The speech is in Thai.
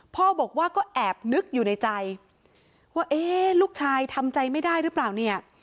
พ่อบอกว่าก็แอบนึกอยู่ในใจว่าเอ๊ะลูกชายทำใจไม่ได้หรือเปล่าเนี่ย